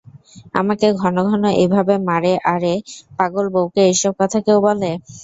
আমাকে ঘন ঘন এইভাবে মারে আরে পাগল বউকে এইসব কথা কেউ বলে!